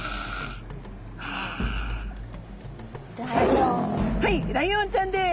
はいライオンちゃんです。